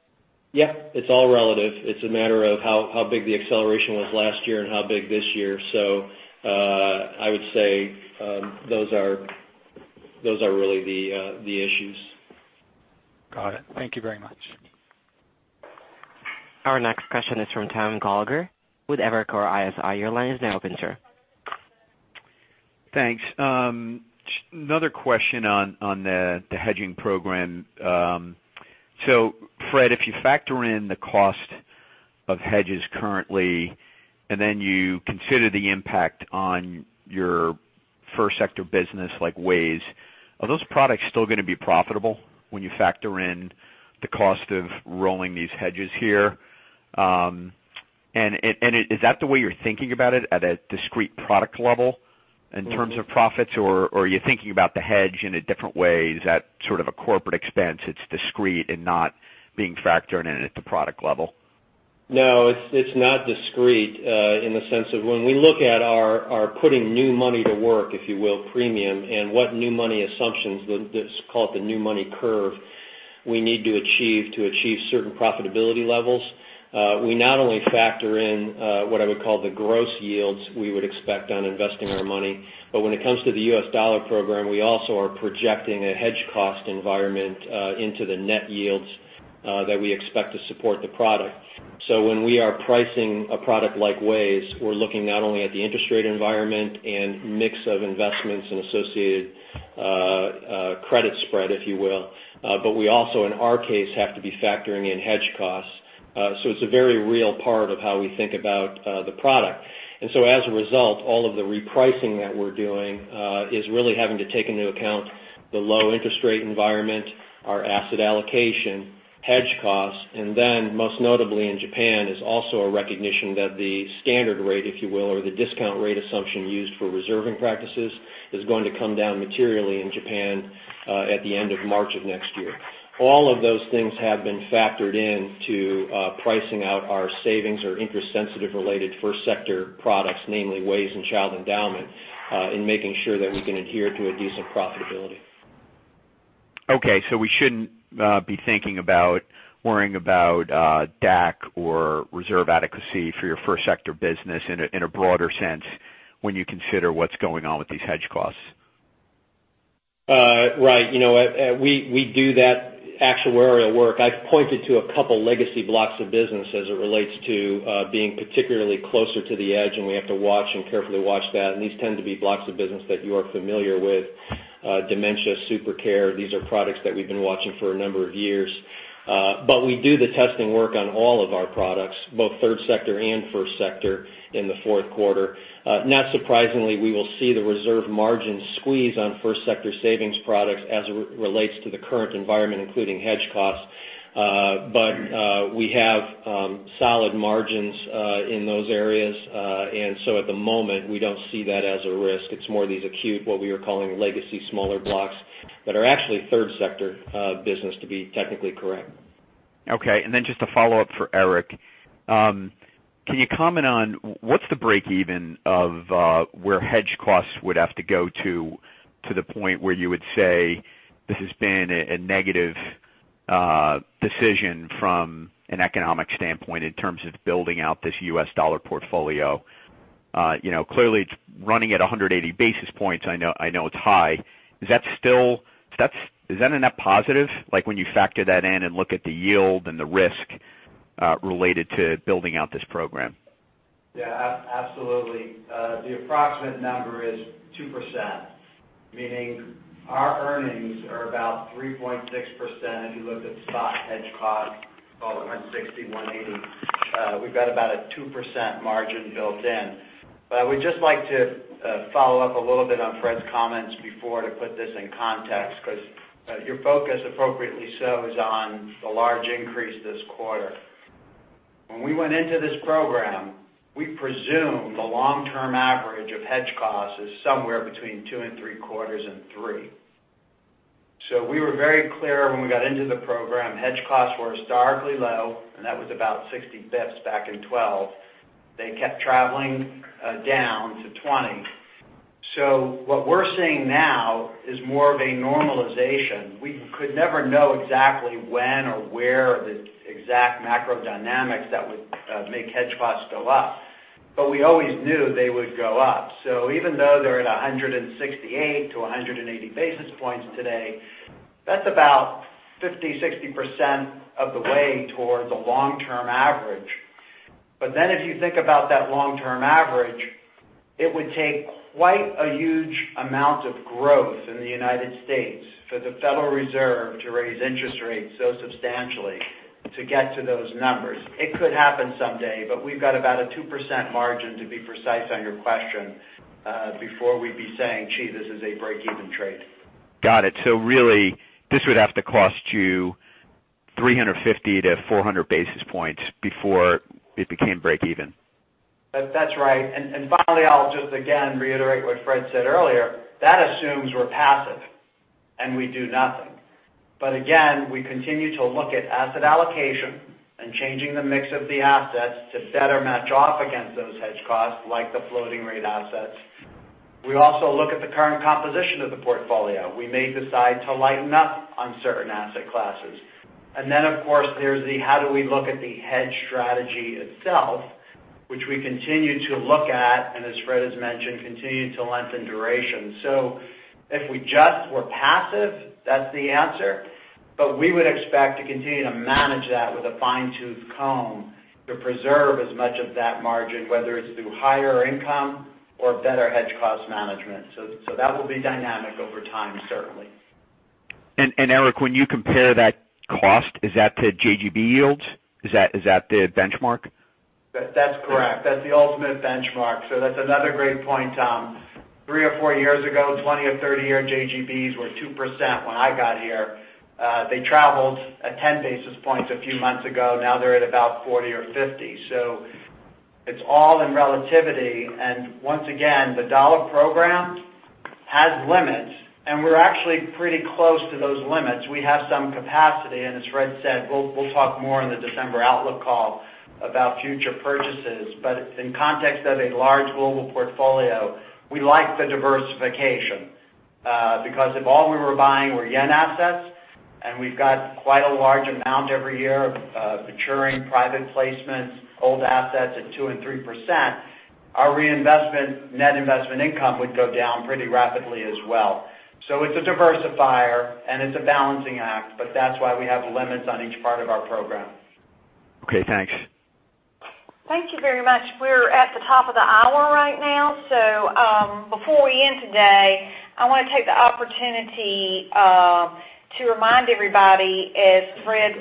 Yeah. It's all relative. It's a matter of how big the acceleration was last year and how big this year. I would say those are really the issues. Got it. Thank you very much. Our next question is from Tom Gallagher with Evercore ISI. Your line is now open, sir. Thanks. Another question on the hedging program. Fred, if you factor in the cost of hedges currently, then you consider the impact on your first sector business like WAYS, are those products still going to be profitable when you factor in the cost of rolling these hedges here? Is that the way you're thinking about it at a discrete product level in terms of profits, or are you thinking about the hedge in a different way? Is that sort of a corporate expense? It's discrete and not being factored in at the product level? No, it's not discrete in the sense of when we look at our putting new money to work, if you will, premium, and what new money assumptions, let's call it the new money curve, we need to achieve to achieve certain profitability levels. We not only factor in what I would call the gross yields we would expect on investing our money, but when it comes to the U.S. dollar program, we also are projecting a hedge cost environment into the net yields that we expect to support the product. When we are pricing a product like WAYS, we're looking not only at the interest rate environment and mix of investments and associated credit spread, if you will, but we also, in our case, have to be factoring in hedge costs. It's a very real part of how we think about the product. As a result, all of the repricing that we're doing is really having to take into account the low interest rate environment, our asset allocation hedge costs, and then most notably in Japan, is also a recognition that the standard rate, if you will, or the discount rate assumption used for reserving practices, is going to come down materially in Japan at the end of March of next year. All of those things have been factored into pricing out our savings or interest-sensitive related first sector products, namely WAYS and child endowment, in making sure that we can adhere to a decent profitability. Okay. We shouldn't be thinking about worrying about DAC or reserve adequacy for your first sector business in a broader sense when you consider what's going on with these hedge costs. Right. We do that actuarial work. I've pointed to a couple of legacy blocks of business as it relates to being particularly closer to the edge, and we have to carefully watch that. These tend to be blocks of business that you are familiar with. Dementia, SuperCare, these are products that we've been watching for a number of years. We do the testing work on all of our products, both third sector and first sector in the fourth quarter. Not surprisingly, we will see the reserve margin squeeze on first sector savings products as it relates to the current environment, including hedge costs. We have solid margins in those areas. At the moment, we don't see that as a risk. It's more these acute, what we are calling legacy smaller blocks, that are actually third sector business to be technically correct. Okay. Just a follow-up for Eric. Can you comment on what's the break-even of where hedge costs would have to go to the point where you would say this has been a negative decision from an economic standpoint in terms of building out this U.S. dollar portfolio? Clearly, it's running at 180 basis points. I know it's high. Is that a net positive? When you factor that in and look at the yield and the risk related to building out this program. Yeah, absolutely. The approximate number is 2%, meaning our earnings are about 3.6%. If you look at spot hedge cost, call it 160 basis points, 180 basis points. We've got about a 2% margin built in. I would just like to follow up a little bit on Fred's comments before to put this in context, because your focus, appropriately so, is on the large increase this quarter. When we went into this program, we presumed the long-term average of hedge costs is somewhere between two and three quarters and three. We were very clear when we got into the program, hedge costs were historically low, and that was about 60 basis points back in 2012. They kept traveling down to 20 basis points. What we're seeing now is more of a normalization. We could never know exactly when or where the exact macro dynamics that would make hedge costs go up, but we always knew they would go up. Even though they're at 168 to 180 basis points today, that's about 50%-60% of the way towards a long-term average. If you think about that long-term average, it would take quite a huge amount of growth in the United States for the Federal Reserve to raise interest rates so substantially to get to those numbers. It could happen someday, we've got about a 2% margin, to be precise on your question, before we'd be saying, "Gee, this is a break-even trade. Got it. Really, this would have to cost you 350 to 400 basis points before it became break even. That's right. Finally, I'll just again reiterate what Fred said earlier. That assumes we're passive and we do nothing. Again, we continue to look at asset allocation and changing the mix of the assets to better match off against those hedge costs, like the floating rate assets. We also look at the current composition of the portfolio. We may decide to lighten up on certain asset classes. Then, of course, there's the how do we look at the hedge strategy itself, which we continue to look at, and as Fred has mentioned, continue to lengthen duration. If we just were passive, that's the answer. We would expect to continue to manage that with a fine-tooth comb to preserve as much of that margin, whether it's through higher income or better hedge cost management. That will be dynamic over time, certainly. Eric, when you compare that cost, is that to JGB yields? Is that the benchmark? That's correct. That's the ultimate benchmark. That's another great point, Tom. Three or four years ago, 20 or 30-year JGBs were 2% when I got here. They traveled at 10 basis points a few months ago. Now they're at about 40 or 50. It's all in relativity, and once again, the dollar program has limits, and we're actually pretty close to those limits. We have some capacity, and as Fred said, we'll talk more in the December outlook call about future purchases. In context of a large global portfolio, we like the diversification. If all we were buying were yen assets, and we've got quite a large amount every year of maturing private placements, old assets at 2 and 3%, our reinvestment net investment income would go down pretty rapidly as well. It's a diversifier and it's a balancing act, but that's why we have limits on each part of our program. Okay, thanks. Thank you very much. We're at the top of the hour right now, before we end today, I want to take the opportunity to remind everybody, as Fred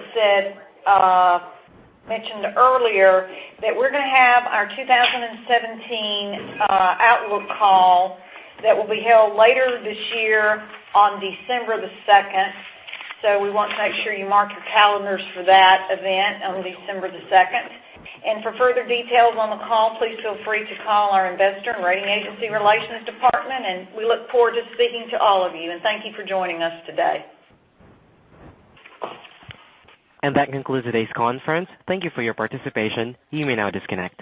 mentioned earlier, that we're going to have our 2017 outlook call that will be held later this year on December 2nd. We want to make sure you mark your calendars for that event on December 2nd. For further details on the call, please feel free to call our investor and rating agency relations department, and we look forward to speaking to all of you, and thank you for joining us today. That concludes today's conference. Thank you for your participation. You may now disconnect.